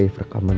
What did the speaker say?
itu dia zadien